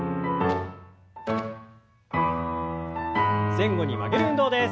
前後に曲げる運動です。